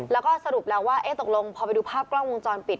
แล้วก็สรุปแล้วว่าตกลงพอไปดูภาพกล้องวงจรปิด